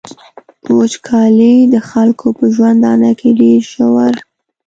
وچکالي د خلکو په ژوندانه کي ډیر ژور.